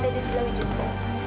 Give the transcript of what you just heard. ada di sebelah ujung